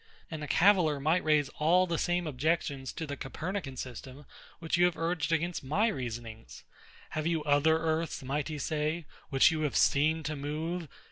And a caviller might raise all the same objections to the Copernican system, which you have urged against my reasonings. Have you other earths, might he say, which you have seen to move?